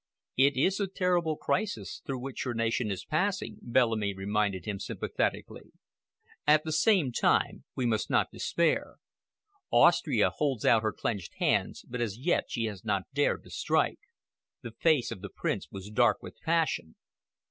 "It is a terrible crisis through which your nation is passing," Bellamy reminded him sympathetically. "At the same time, we must not despair. Austria holds out her clenched hands, but as yet she has not dared to strike." The face of the Prince was dark with passion.